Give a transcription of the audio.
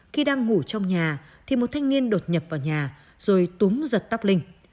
khi đang ngủ trong nhà thì một thanh niên đột nhập vào nhà rồi túng giật tóc linh